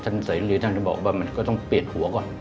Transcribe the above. เสรีท่านจะบอกว่ามันก็ต้องเปลี่ยนหัวก่อน